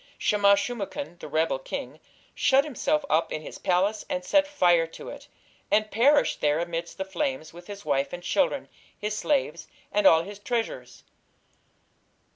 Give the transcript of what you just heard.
Shamash shum ukin, the rebel king, shut himself up in his palace and set fire to it, and perished there amidst the flames with his wife and children, his slaves and all his treasures.